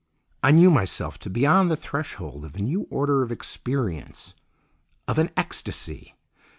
I knew myself to be on the threshold of a new order of experience—of an ecstasy.